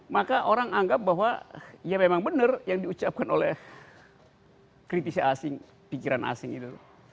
maka orang anggap bahwa ya memang benar yang diucapkan oleh kritisi asing pikiran asing itu